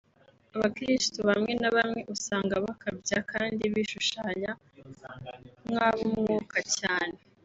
Abakiristo bamwe na bamwe usanga bakabya kandi bishushanya nk’ab’Umwuka cyane